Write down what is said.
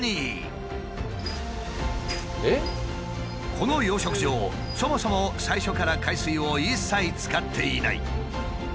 この養殖場そもそも最初から海水を一切使っていない。